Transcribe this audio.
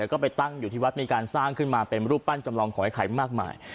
แล้วก็ไปตั้งอยู่ที่วัดมีการสร้างขึ้นมาเป็นรูปปั้นจำลองของไอ้ไข่มากมาย